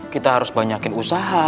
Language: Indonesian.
kita harus banyakin usaha